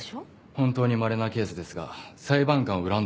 本当にまれなケースですが裁判官を恨んでいる人もいます。